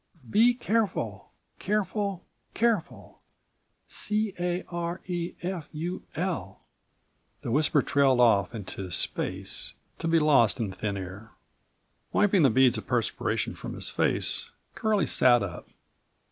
Be careful—careful—careful, c a r e f u l " The whisper trailed off into space, to be lost in thin air. Wiping the beads of perspiration from his face, Curlie sat up.